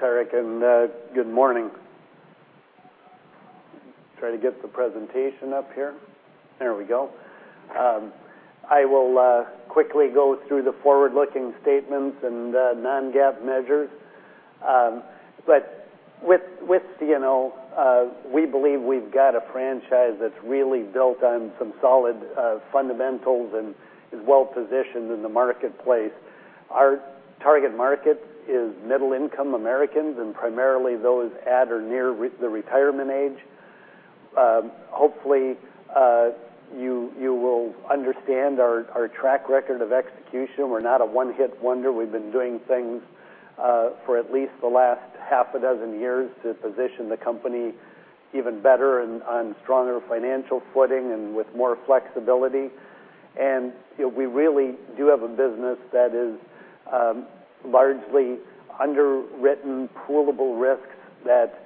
Thanks, Eric, and good morning. Try to get the presentation up here. There we go. I will quickly go through the forward-looking statements and non-GAAP measures. With CNO, we believe we've got a franchise that's really built on some solid fundamentals and is well positioned in the marketplace. Our target market is middle-income Americans, and primarily those at or near the retirement age. Hopefully, you will understand our track record of execution. We're not a one-hit wonder. We've been doing things for at least the last half a dozen years to position the company even better and on stronger financial footing and with more flexibility. We really do have a business that is largely underwritten poolable risks that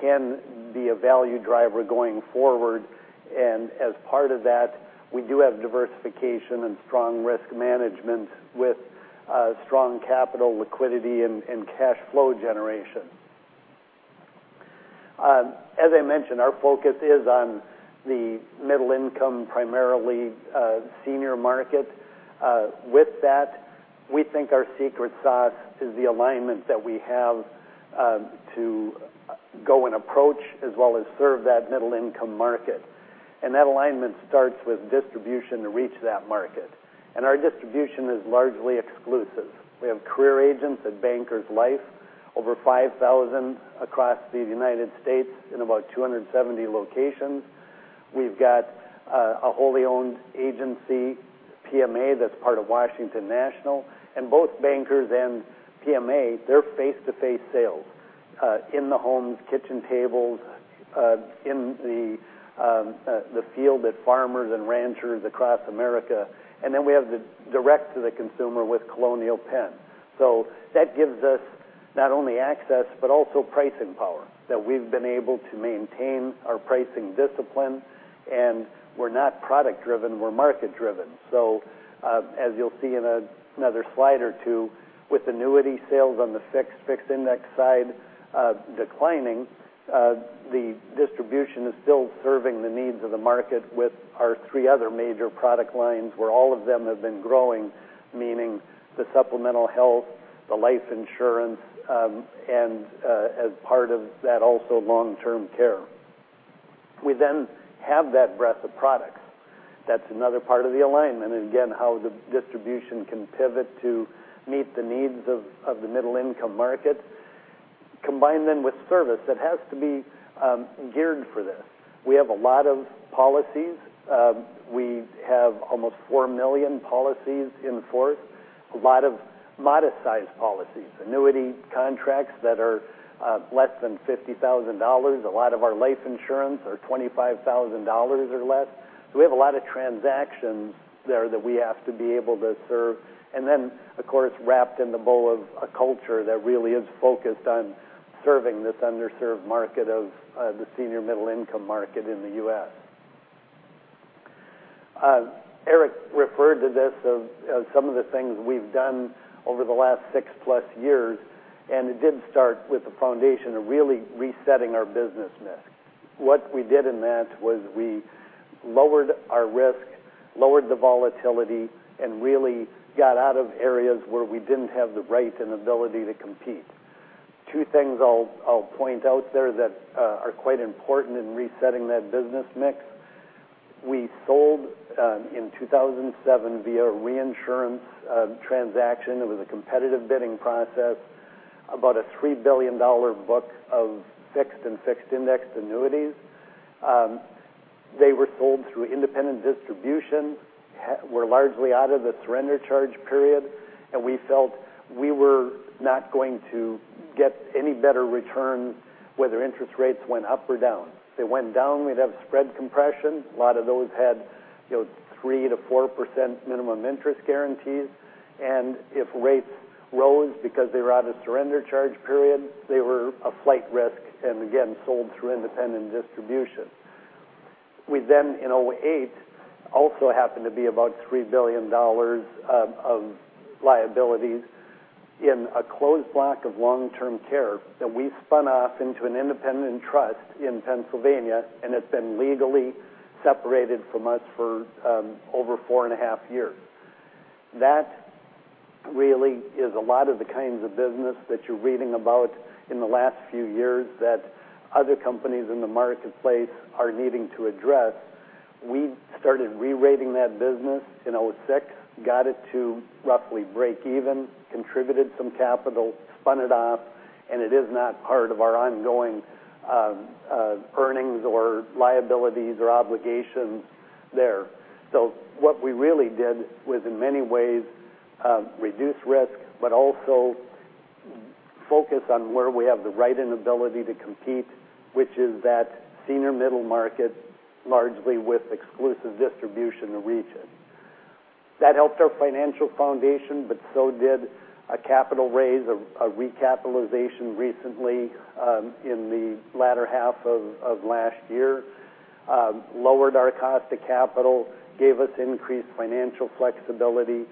can be a value driver going forward. As part of that, we do have diversification and strong risk management with strong capital liquidity and cash flow generation. As I mentioned, our focus is on the middle income, primarily senior market. With that, we think our secret sauce is the alignment that we have to go and approach as well as serve that middle income market. That alignment starts with distribution to reach that market. Our distribution is largely exclusive. We have career agents at Bankers Life, over 5,000 across the United States in about 270 locations. We've got a wholly owned agency, PMA, that's part of Washington National, and both Bankers and PMA, they're face-to-face sales in the homes, kitchen tables, in the field at farmers and ranchers across America. We have the direct to the consumer with Colonial Penn. That gives us not only access but also pricing power that we've been able to maintain our pricing discipline, and we're not product driven, we're market driven. As you'll see in another slide or two, with annuity sales on the fixed index side declining, the distribution is still serving the needs of the market with our three other major product lines where all of them have been growing, meaning the supplemental health, the life insurance, and as part of that, also long-term care. We have that breadth of products. That's another part of the alignment. Again, how the distribution can pivot to meet the needs of the middle income market. Combine them with service that has to be geared for this. We have a lot of policies. We have almost four million policies in force, a lot of modest-sized policies, annuity contracts that are less than $50,000. A lot of our life insurance are $25,000 or less. We have a lot of transactions there that we have to be able to serve. Of course, wrapped in the bow of a culture that really is focused on serving this underserved market of the senior middle income market in the U.S. Eric referred to this as some of the things we've done over the last six-plus years, and it did start with the foundation of really resetting our business mix. What we did in that was we lowered our risk, lowered the volatility, and really got out of areas where we didn't have the right and ability to compete. Two things I'll point out there that are quite important in resetting that business mix. We sold in 2007 via reinsurance transaction. It was a competitive bidding process, about a $3 billion book of fixed and fixed indexed annuities. They were sold through independent distribution, were largely out of the surrender charge period, we felt we were not going to get any better return whether interest rates went up or down. If they went down, we'd have spread compression. A lot of those had 3%-4% minimum interest guarantees. If rates rose because they were out of surrender charge period, they were a flight risk, again, sold through independent distribution. We in 2008, also happened to be about $3 billion of liabilities in a closed block of long-term care that we spun off into an independent trust in Pennsylvania, and it's been legally separated from us for over four and a half years. That really is a lot of the kinds of business that you're reading about in the last few years that other companies in the marketplace are needing to address. We started re-rating that business in 2006, got it to roughly break even, contributed some capital, spun it off, it is not part of our ongoing earnings or liabilities or obligations there. What we really did was, in many ways reduce risk, also focus on where we have the right and ability to compete, which is that senior middle market, largely with exclusive distribution to reach it. That helped our financial foundation, so did a capital raise, a recapitalization recently in the latter half of last year. Lowered our cost to capital, gave us increased financial flexibility.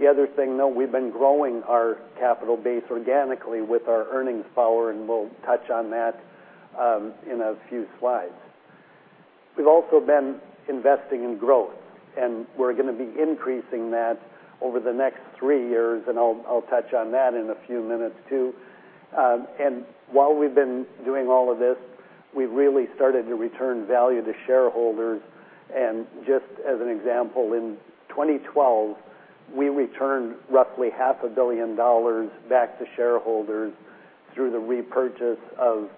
The other thing, though, we've been growing our capital base organically with our earnings power, and we'll touch on that in a few slides. We've also been investing in growth, we're going to be increasing that over the next three years, I'll touch on that in a few minutes, too. While we've been doing all of this, we've really started to return value to shareholders. Just as an example, in 2012, we returned roughly $500 million back to shareholders through the repurchase of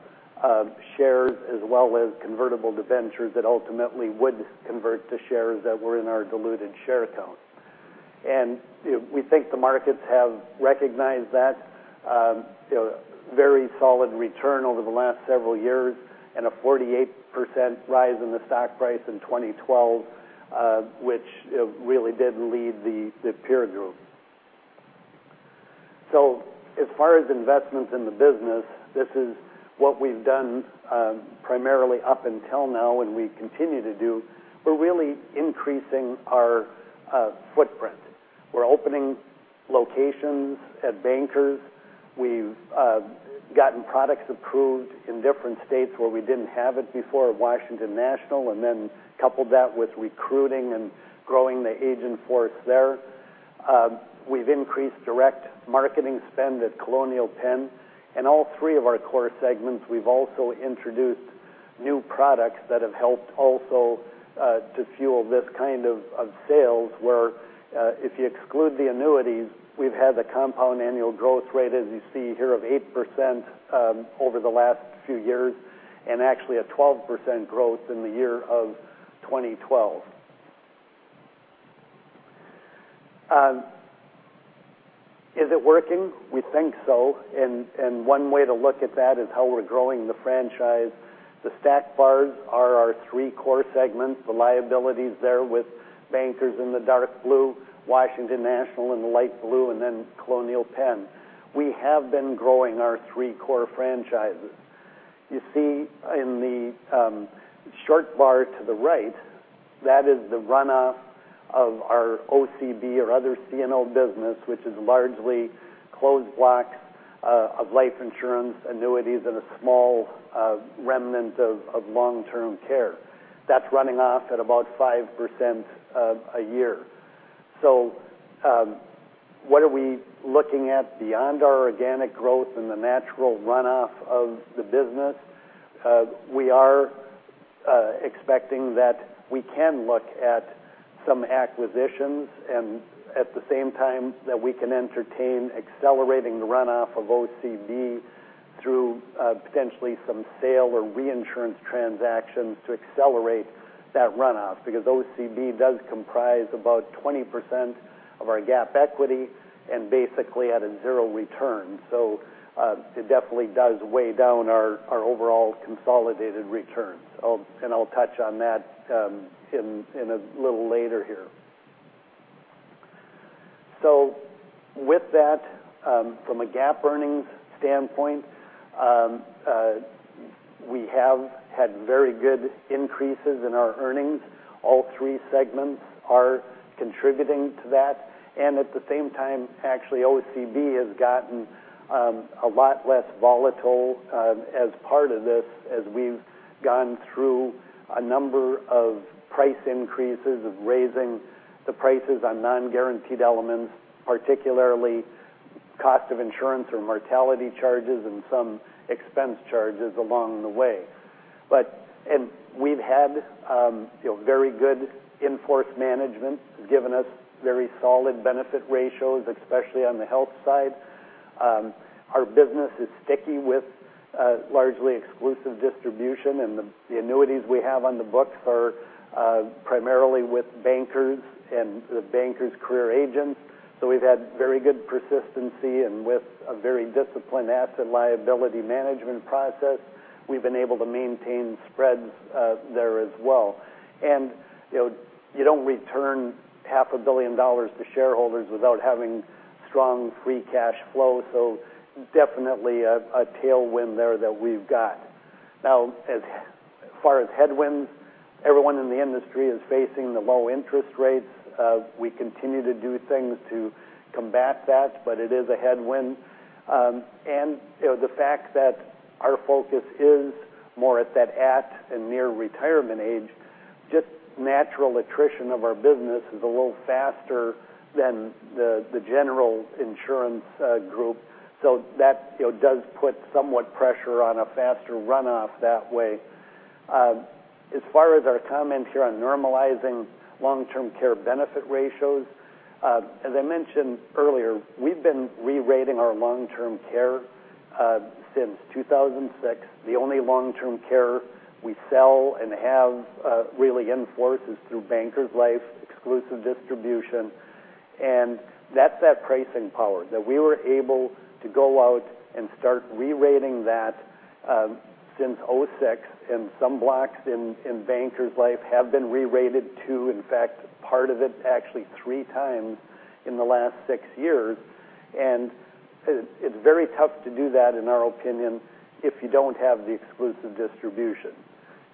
shares, as well as convertible debentures that ultimately would convert to shares that were in our diluted share count. We think the markets have recognized that very solid return over the last several years and a 48% rise in the stock price in 2012, which really did lead the peer group. As far as investments in the business, this is what we've done primarily up until now, and we continue to do. We're really increasing our footprint. We're opening locations at Bankers. We've gotten products approved in different states where we didn't have it before, Washington National, coupled that with recruiting and growing the agent force there. We've increased direct marketing spend at Colonial Penn. In all three of our core segments, we've also introduced new products that have helped also to fuel this kind of sales where, if you exclude the annuities, we've had a compound annual growth rate, as you see here, of 8% over the last few years, actually a 12% growth in the year of 2012. Is it working? We think so. One way to look at that is how we're growing the franchise. The stacked bars are our three core segments, the liabilities there with Bankers in the dark blue, Washington National in the light blue, Colonial Penn. We have been growing our three core franchises. You see in the short bar to the right, that is the runoff of our OCB or other CNO business, which is largely closed blocks of life insurance, annuities, and a small remnant of long-term care. That's running off at about 5% a year. What are we looking at beyond our organic growth and the natural runoff of the business? We are expecting that we can look at some acquisitions and at the same time that we can entertain accelerating the runoff of OCB through potentially some sale or reinsurance transactions to accelerate that runoff because OCB does comprise about 20% of our GAAP equity and basically at a zero return. It definitely does weigh down our overall consolidated returns, and I'll touch on that a little later here. With that, from a GAAP earnings standpoint, we have had very good increases in our earnings. All three segments are contributing to that. At the same time, actually, OCB has gotten a lot less volatile as part of this as we've gone through a number of price increases of raising the prices on non-guaranteed elements, particularly cost of insurance or mortality charges and some expense charges along the way. We've had very good in-force management, given us very solid benefit ratios, especially on the health side. Our business is sticky with largely exclusive distribution, and the annuities we have on the books are primarily with Bankers and the Bankers career agents. We've had very good persistency, and with a very disciplined asset liability management process, we've been able to maintain spreads there as well. You don't return $500 million to shareholders without having strong free cash flow. Definitely a tailwind there that we've got. Now, as far as headwinds, everyone in the industry is facing the low interest rates. We continue to do things to combat that, but it is a headwind. The fact that our focus is more at that at and near retirement age, just natural attrition of our business is a little faster than the general insurance group. That does put somewhat pressure on a faster runoff that way. As far as our comment here on normalizing long-term care benefit ratios, as I mentioned earlier, we've been re-rating our long-term care since 2006. The only long-term care we sell and have really in force is through Bankers Life exclusive distribution. That's that pricing power, that we were able to go out and start re-rating that since '06, and some blocks in Bankers Life have been re-rated, too. In fact, part of it actually three times in the last six years. It's very tough to do that, in our opinion, if you don't have the exclusive distribution.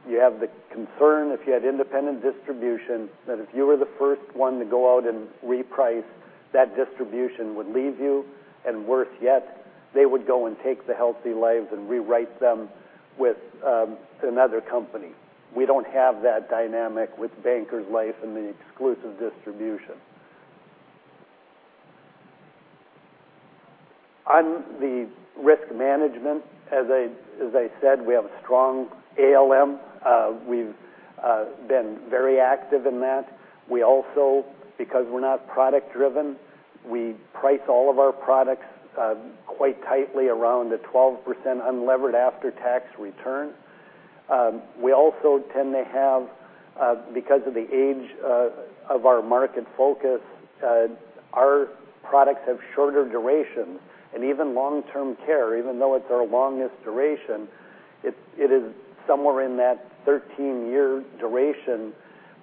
You have the concern if you had independent distribution, that if you were the first one to go out and reprice, that distribution would leave you, and worse yet, they would go and take the healthy lives and rewrite them with another company. We don't have that dynamic with Bankers Life and the exclusive distribution. On the risk management, as I said, we have a strong ALM. We've been very active in that. We also, because we're not product driven, we price all of our products quite tightly around a 12% unlevered after-tax return. We also tend to have, because of the age of our market focus, our products have shorter durations, and even long-term care, even though it's our longest duration, it is somewhere in that 13-year duration.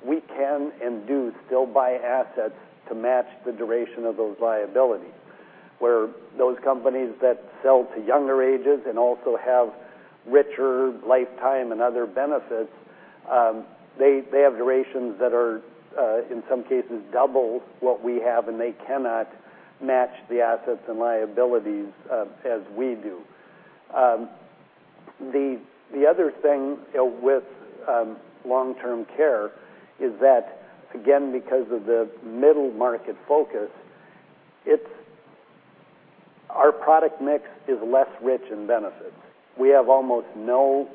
We can and do still buy assets to match the duration of those liabilities. Where those companies that sell to younger ages and also have richer lifetime and other benefits, they have durations that are, in some cases, double what we have, and they cannot match the assets and liabilities as we do. The other thing with long-term care is that, again, because of the middle market focus, our product mix is less rich in benefits. We have almost no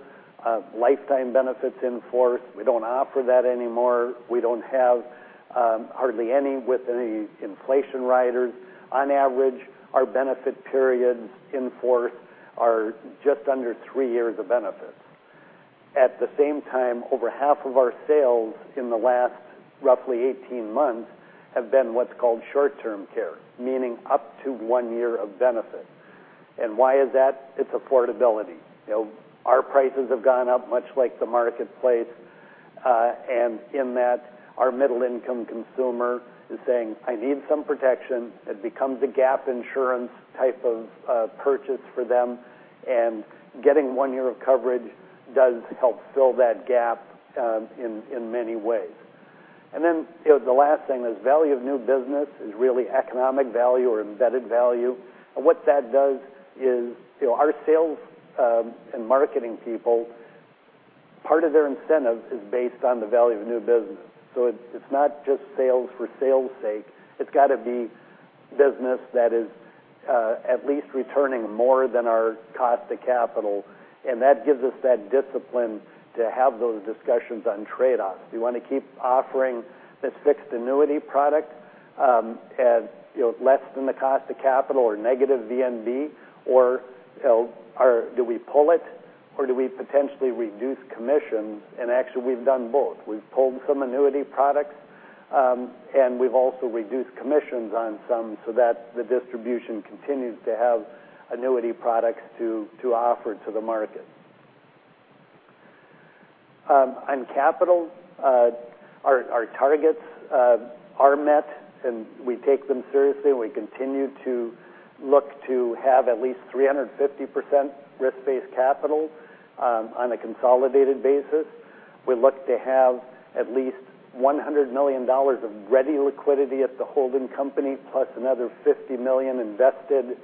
lifetime benefits in force. We don't offer that anymore. We don't have hardly any with any inflation riders. On average, our benefit periods in force are just under three years of benefits. At the same time, over half of our sales in the last roughly 18 months have been what's called short-term care, meaning up to one year of benefit. Why is that? It's affordability. Our prices have gone up much like the marketplace. In that, our middle income consumer is saying, "I need some protection." It becomes a gap insurance type of purchase for them, and getting one year of coverage does help fill that gap in many ways. The last thing is value of new business is really economic value or embedded value. What that does is, our sales and marketing people, part of their incentive is based on the value of new business. It's not just sales for sales' sake. It's got to be business that is at least returning more than our cost to capital, and that gives us that discipline to have those discussions on trade-offs. Do you want to keep offering the fixed annuity product at less than the cost of capital or negative VNB, or do we pull it or do we potentially reduce commissions? Actually, we've done both. We've pulled some annuity products, and we've also reduced commissions on some so that the distribution continues to have annuity products to offer to the market. On capital, our targets are met, and we take them seriously, and we continue to look to have at least 350% risk-based capital on a consolidated basis. We look to have at least $100 million of ready liquidity at the holding company, plus another $50 million invested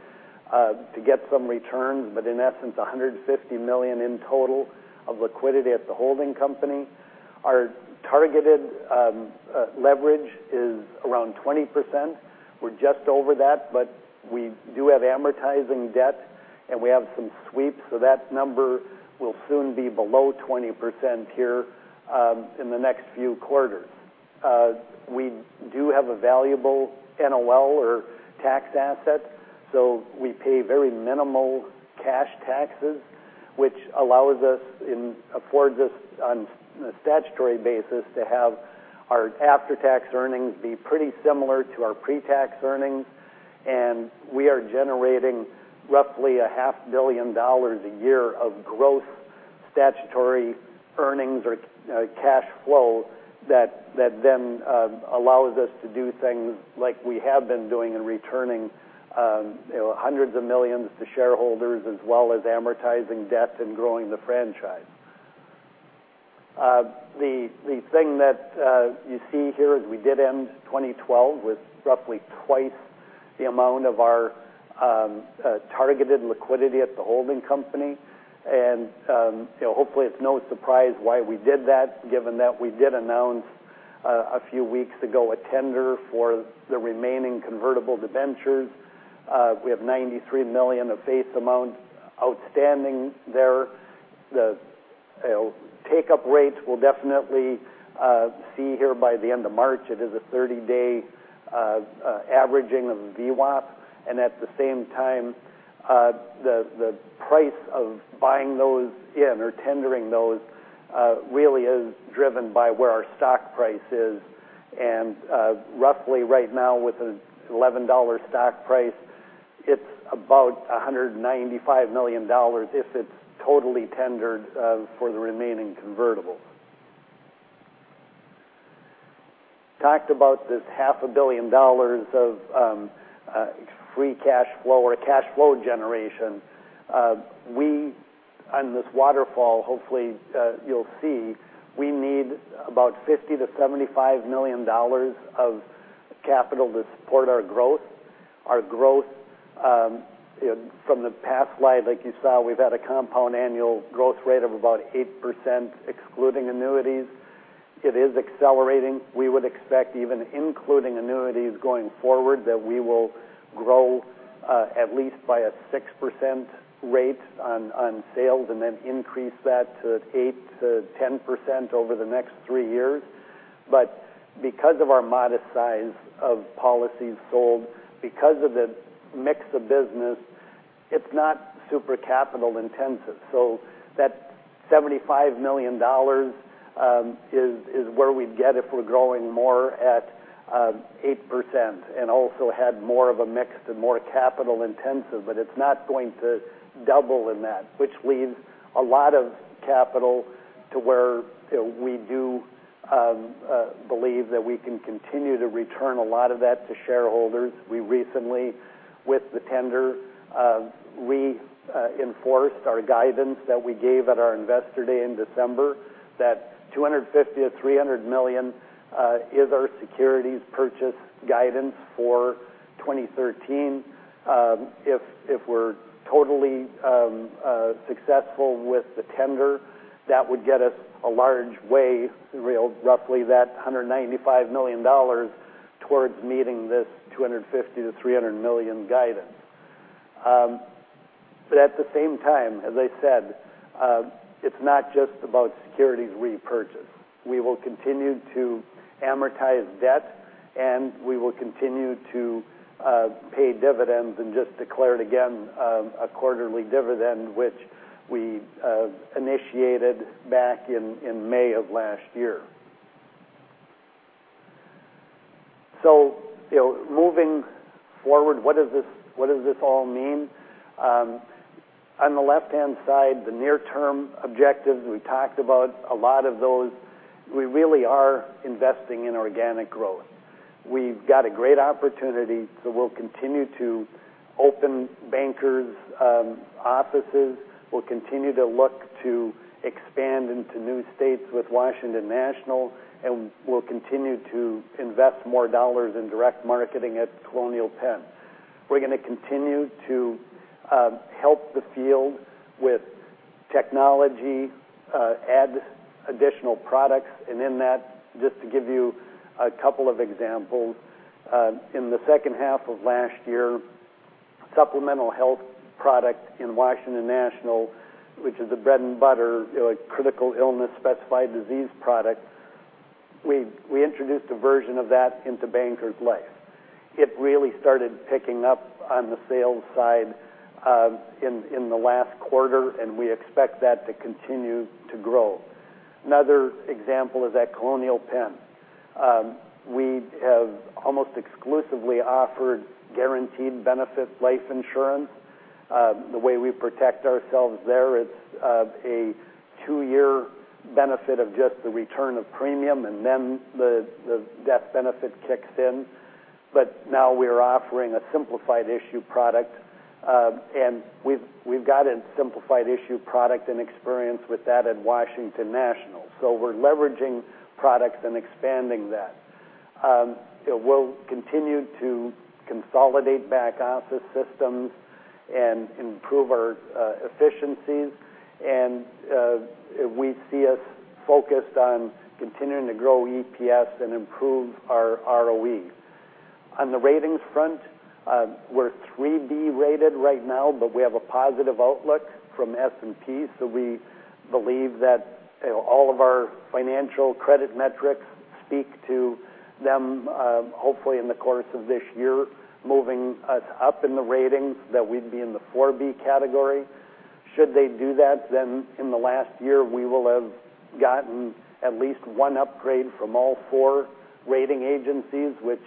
to get some return, but in essence, $150 million in total of liquidity at the holding company. Our targeted leverage is around 20%. We're just over that, but we do have amortizing debt, and we have some sweeps, so that number will soon be below 20% here in the next few quarters. We do have a valuable NOL or tax asset, so we pay very minimal cash taxes, which affords us on a statutory basis to have our after-tax earnings be pretty similar to our pre-tax earnings. We are generating roughly a half billion dollars a year of growth statutory earnings or cash flow that allows us to do things like we have been doing in returning hundreds of millions to shareholders as well as amortizing debt and growing the franchise. The thing you see here is we ended 2012 with roughly twice the amount of our targeted liquidity at the holding company. Hopefully, it's no surprise why we did that, given that we did announce a few weeks ago a tender for the remaining convertible debentures. We have $93 million of face amount outstanding there. The take-up rates we will definitely see here by the end of March. It is a 30-day averaging of VWAP. At the same time, the price of buying those in or tendering those really is driven by where our stock price is. Roughly right now, with an $11 stock price, it is about $195 million if it is totally tendered for the remaining convertible. We talked about this half a billion dollars of free cash flow or cash flow generation. On this waterfall, hopefully you will see, we need about $50 million-$75 million of capital to support our growth. Our growth from the past slide, like you saw, we have had a compound annual growth rate of about 8%, excluding annuities. It is accelerating. We would expect even including annuities going forward, that we will grow at least by a 6% rate on sales, and then increase that to 8%-10% over the next three years. Because of our modest size of policies sold, because of the mix of business, it is not super capital intensive. That $75 million is where we would get if we are growing more at 8%, and also had more of a mix to more capital intensive. It is not going to double in that, which leaves a lot of capital to where we do believe that we can continue to return a lot of that to shareholders. We recently, with the tender, reinforced our guidance that we gave at our investor day in December, that $250 million-$300 million is our securities purchase guidance for 2013. If we are totally successful with the tender, that would get us a large way, roughly that $195 million, towards meeting this $250 million-$300 million guidance. At the same time, as I said, it is not just about securities repurchase. We will continue to amortize debt, we will continue to pay dividends, just declared again, a quarterly dividend, which we initiated back in May of last year. Moving forward, what does this all mean? On the left-hand side, the near-term objectives, we talked about a lot of those. We really are investing in organic growth. We have got a great opportunity, we will continue to open Bankers offices. We will continue to look to expand into new states with Washington National, we will continue to invest more dollars in direct marketing at Colonial Penn. We are going to continue to help the field with technology, add additional products, and in that, just to give you a couple of examples. In the second half of last year, supplemental health product in Washington National, which is the bread and butter critical illness specified disease product, we introduced a version of that into Bankers Life. It really started picking up on the sales side in the last quarter. We expect that to continue to grow. Another example is at Colonial Penn. We have almost exclusively offered guaranteed benefit life insurance. The way we protect ourselves there is a two-year benefit of just the return of premium, and then the death benefit kicks in. Now we're offering a simplified issue product. We've got a simplified issue product and experience with that at Washington National. We're leveraging products and expanding that. We'll continue to consolidate back office systems and improve our efficiencies. We see us focused on continuing to grow EPS and improve our ROE. On the ratings front, we're 3B rated right now. We have a positive outlook from S&P. We believe that all of our financial credit metrics speak to them, hopefully in the course of this year, moving us up in the ratings, that we'd be in the 4B category. Should they do that, then in the last year, we will have gotten at least one upgrade from all four rating agencies, which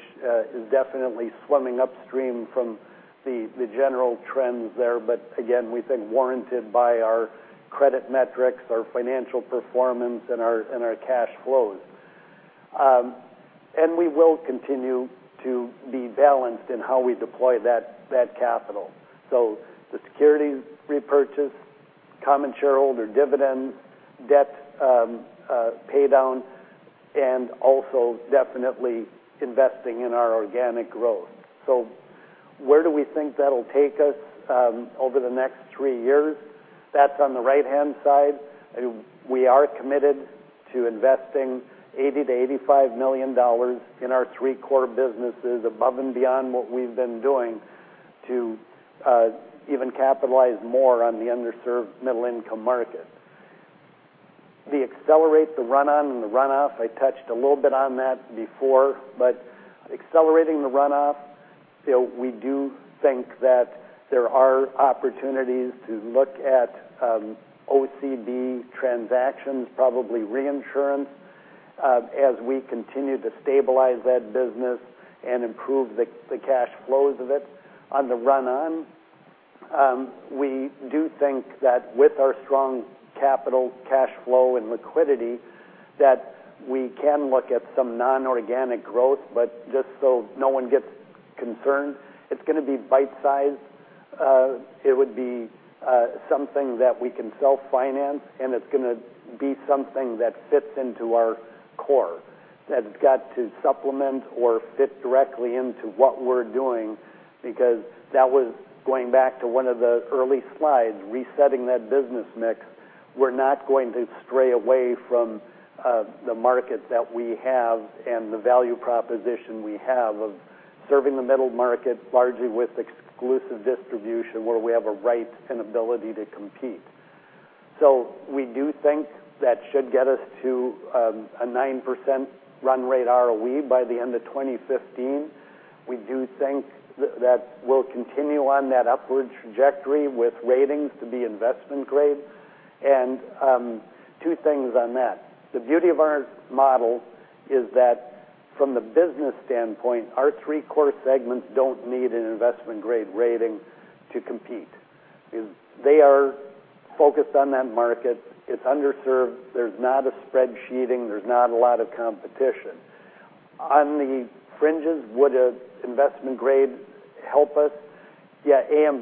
is definitely swimming upstream from the general trends there. Again, we think warranted by our credit metrics, our financial performance, and our cash flows. We will continue to be balanced in how we deploy that capital. The securities repurchase, common shareholder dividends, debt pay down, and also definitely investing in our organic growth. Where do we think that'll take us over the next three years? That's on the right-hand side. We are committed to investing $80 million-$85 million in our three core businesses above and beyond what we've been doing to even capitalize more on the underserved middle income market. The accelerate the run-on and the run-off, I touched a little bit on that before. Accelerating the run-off, we do think that there are opportunities to look at OCB transactions, probably reinsurance, as we continue to stabilize that business and improve the cash flows of it. On the run-on We do think that with our strong capital cash flow and liquidity, that we can look at some non-organic growth. Just so no one gets concerned, it's going to be bite-sized. It would be something that we can self-finance. It's going to be something that fits into our core. That has got to supplement or fit directly into what we're doing because that was going back to one of the early slides, resetting that business mix. We're not going to stray away from the market that we have and the value proposition we have of serving the middle market largely with exclusive distribution where we have a right and ability to compete. We do think that should get us to a 9% run rate ROE by the end of 2015. We do think that we'll continue on that upward trajectory with ratings to be investment grade. Two things on that. The beauty of our model is that from the business standpoint, our three core segments don't need an investment-grade rating to compete. They are focused on that market. It's underserved. There's not a financial spreading. There's not a lot of competition. On the fringes, would an investment grade help us? Yeah. AM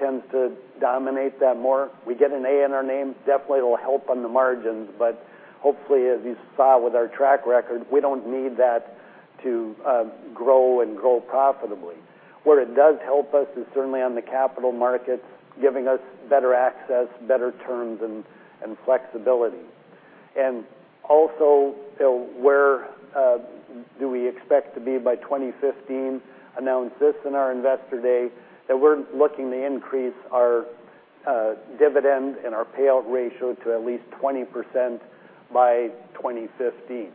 Best tends to dominate that more. We get an A in our name, definitely will help on the margins, but hopefully, as you saw with our track record, we don't need that to grow and grow profitably. Also, where do we expect to be by 2015? Announced this in our investor day, that we're looking to increase our dividend and our payout ratio to at least 20% by 2015.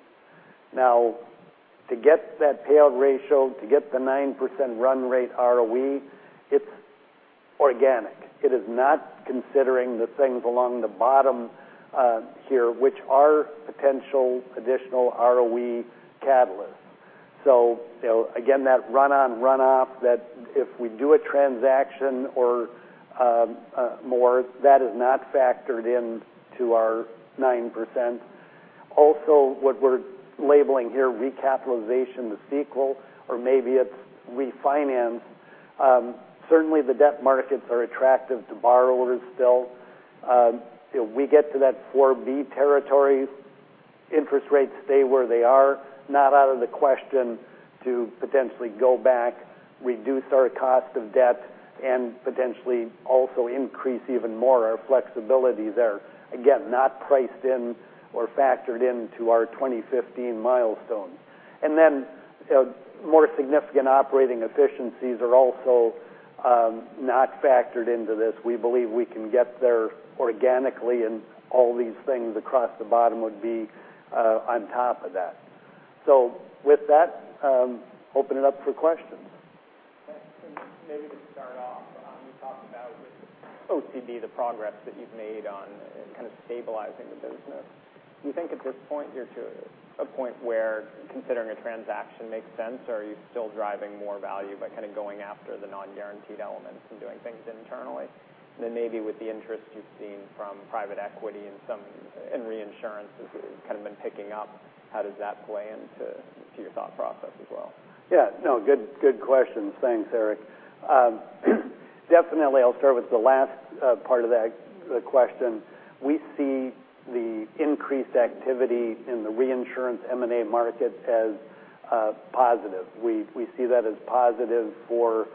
To get that payout ratio, to get the 9% run rate ROE, it's organic. It is not considering the things along the bottom here, which are potential additional ROE catalysts. Again, that run-on and run-off, that if we do a transaction or more, that is not factored into our 9%. Also, what we're labeling here recapitalization, the sequel, or maybe it's refinance. Certainly, the debt markets are attractive to borrowers still. We get to that 4B territory, interest rates stay where they are, not out of the question to potentially go back, reduce our cost of debt, and potentially also increase even more our flexibility there. Again, not priced in or factored into our 2015 milestone. More significant operating efficiencies are also not factored into this. We believe we can get there organically, and all these things across the bottom would be on top of that. With that, open it up for questions. Maybe to start off, you talked about with OCB, the progress that you've made on kind of stabilizing the business. Do you think at this point you're to a point where considering a transaction makes sense, or are you still driving more value by kind of going after the non-guaranteed elements and doing things internally? Maybe with the interest you've seen from private equity and reinsurance has kind of been picking up, how does that play into your thought process as well? Yeah. No, good questions. Thanks, Eric. Definitely, I'll start with the last part of that question. We see the increased activity in the reinsurance M&A market as positive. We see that as positive for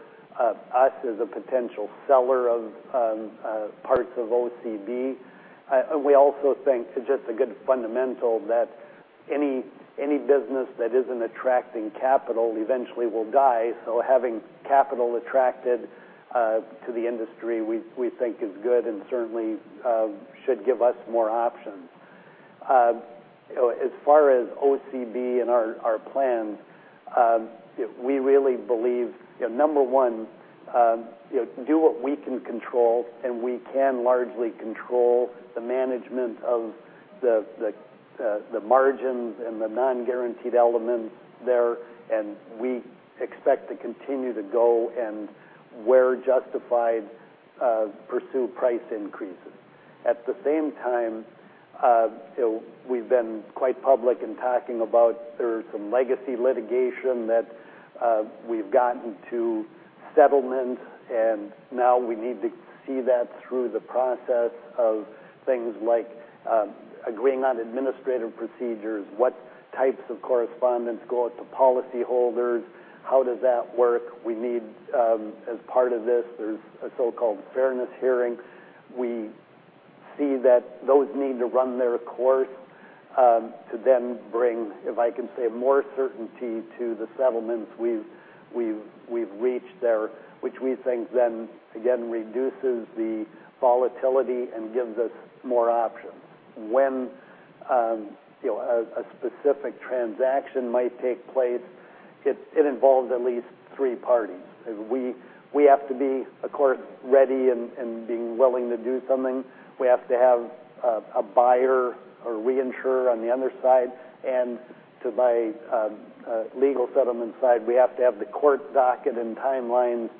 us as a potential seller of parts of OCB. We also think it's just a good fundamental that any business that isn't attracting capital eventually will die. Having capital attracted to the industry we think is good and certainly should give us more options. As far as OCB and our plans, we really believe number one, do what we can control, and we can largely control the management of the margins and the non-guaranteed elements there. We expect to continue to go and where justified, pursue price increases. At the same time, we've been quite public in talking about there is some legacy litigation that we've gotten to settlement, and now we need to see that through the process of things like agreeing on administrative procedures. What types of correspondence go out to policyholders? How does that work? We need as part of this, there's a so-called fairness hearing. We see that those need to run their course to bring, if I can say, more certainty to the settlements we've reached there, which we think, again, reduces the volatility and gives us more options. When a specific transaction might take place, it involves at least three parties. We have to be, of course, ready and being willing to do something. We have to have a buyer or reinsurer on the other side. To my legal settlement side, we have to have the court docket and timelines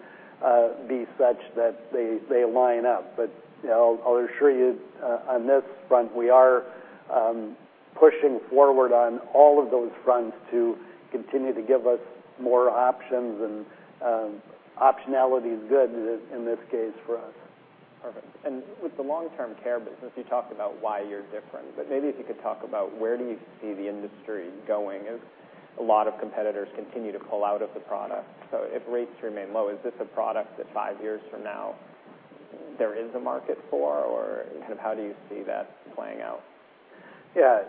be such that they line up. I'll assure you on this front, we are pushing forward on all of those fronts to continue to give us more options. Optionality is good in this case for us. Perfect. With the long-term care business, you talked about why you're different. Maybe if you could talk about where do you see the industry going as a lot of competitors continue to pull out of the product. If rates remain low, is this a product that five years from now there is a market for, or how do you see that playing out? Yeah.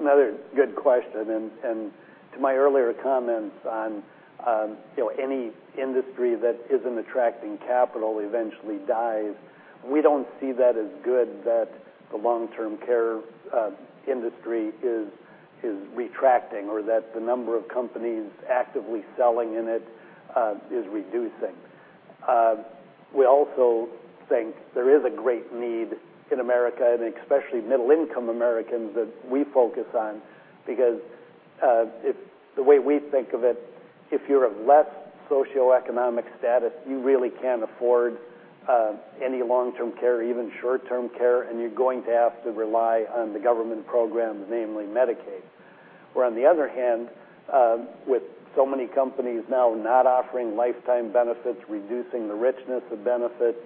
Another good question. To my earlier comments on any industry that isn't attracting capital eventually dies. We don't see that as good that the long-term care industry is retracting or that the number of companies actively selling in it is reducing. We also think there is a great need in America, especially middle-income Americans that we focus on because, the way we think of it, if you're of less socioeconomic status, you really can't afford any long-term care, even short-term care, and you're going to have to rely on the government programs, namely Medicaid. Where on the other hand, with so many companies now not offering lifetime benefits, reducing the richness of benefits,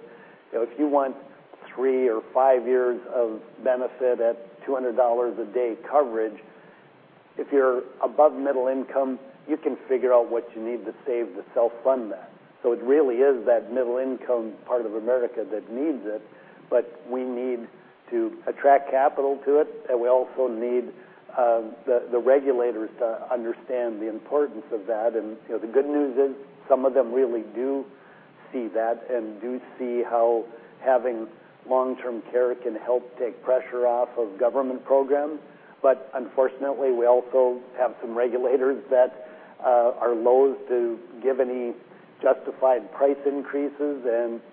if you want three or five years of benefit at $200 a day coverage, if you're above middle income, you can figure out what you need to save to self-fund that. It really is that middle-income part of America that needs it, but we need to attract capital to it, and we also need the regulators to understand the importance of that. The good news is some of them really do see that and do see how having long-term care can help take pressure off of government programs. Unfortunately, we also have some regulators that are loath to give any justified price increases.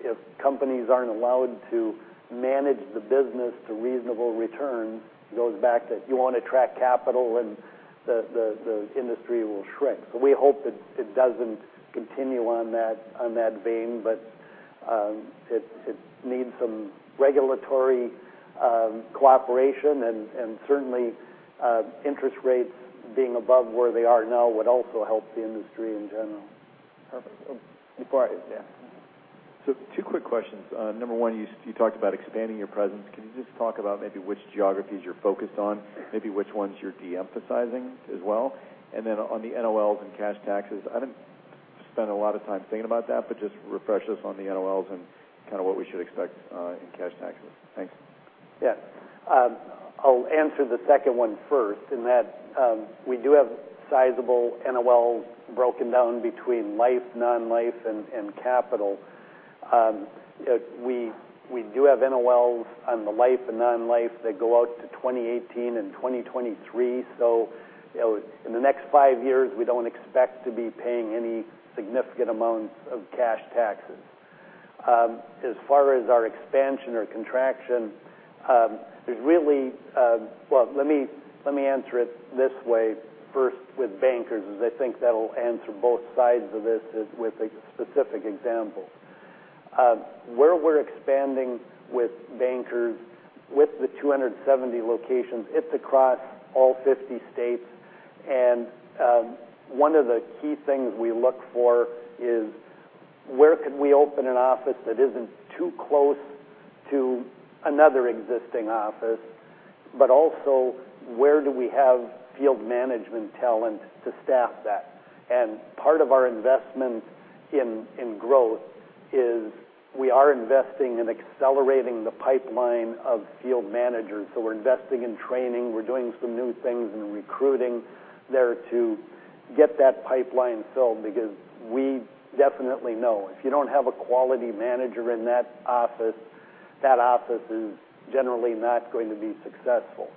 If companies aren't allowed to manage the business to reasonable return, it goes back to if you want to attract capital, then the industry will shrink. We hope it doesn't continue on that vein, but it needs some regulatory cooperation, and certainly interest rates being above where they are now would also help the industry in general. Perfect. Go ahead, yeah. Two quick questions. Number one, you talked about expanding your presence. Can you just talk about maybe which geographies you're focused on, maybe which ones you're de-emphasizing as well? Then on the NOLs and cash taxes, I didn't spend a lot of time thinking about that, but just refresh us on the NOLs and kind of what we should expect in cash taxes. Thanks. Yeah. I'll answer the second one first, in that we do have sizable NOLs broken down between life, non-life, and capital. We do have NOLs on the life and non-life that go out to 2018 and 2023. In the next five years, we don't expect to be paying any significant amounts of cash taxes. As far as our expansion or contraction, well, let me answer it this way first with Bankers, as I think that'll answer both sides of this with a specific example. Where we're expanding with Bankers, with the 270 locations, it's across all 50 states. One of the key things we look for is where could we open an office that isn't too close to another existing office, but also where do we have field management talent to staff that? Part of our investment in growth is we are investing in accelerating the pipeline of field managers. We're investing in training, we're doing some new things in recruiting there to get that pipeline filled because we definitely know if you don't have a quality manager in that office, that office is generally not going to be successful.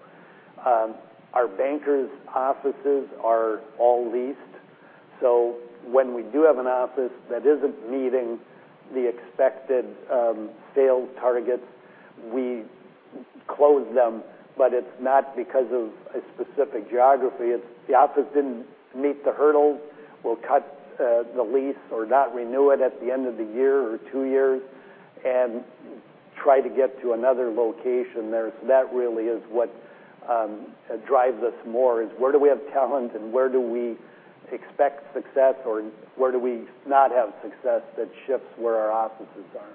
Our Bankers offices are all leased, when we do have an office that isn't meeting the expected sales targets, we close them, but it's not because of a specific geography. If the office didn't meet the hurdles, we'll cut the lease or not renew it at the end of the year or two years and try to get to another location there. That really is what drives us more, is where do we have talent and where do we expect success or where do we not have success that shifts where our offices are?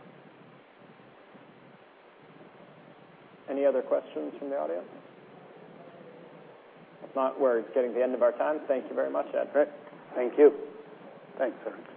Any other questions from the audience? If not, we're getting to the end of our time. Thank you very much, Ed. Great. Thank you. Thanks.